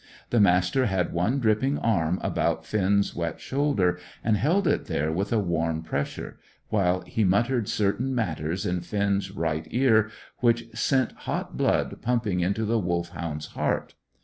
The Master had one dripping arm about Finn's wet shoulder, and held it there with a warm pressure, while he muttered certain matters in Finn's right ear which sent hot blood pumping into the Wolfhound's heart.